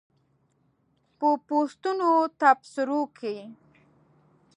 په پوسټونو تبصرو کې